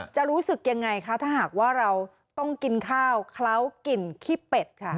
รู้สึกยังไงคะถ้าหากว่าเราต้องกินข้าวเคล้ากลิ่นขี้เป็ดค่ะ